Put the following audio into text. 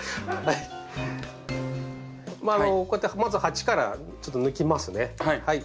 こうやってまず鉢からちょっと抜きますね。